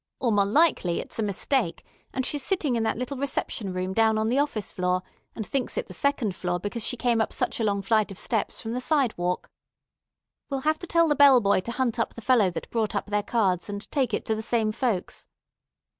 Or more likely it's a mistake, and she's sitting in that little reception room down on the office floor, and thinks it the second floor because she came up such a long flight of steps from the sidewalk. We'll have to tell the bell boy to hunt up the fellow that brought up their cards, and take it to the same folks.